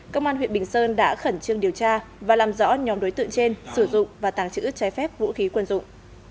công an huyện bình sơn đã khẩn trương điều tra và làm rõ nhóm đối tượng trên sử dụng và tàng trữ trái phép vũ khí quân dụng